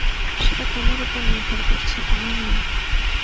সেটা তোমার ওপর নির্ভর করছে, আমার নয়।